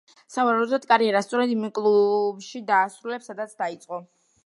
სავარაუდოდ კარიერას სწორედ იმ კლუბში დაასრულებს, სადაც დაიწყო.